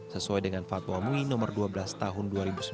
sesuai dengan fatwa mui nomor dua belas tahun dua ribu sembilan belas